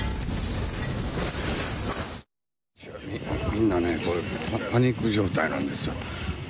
みんなパニック状態なんですよ。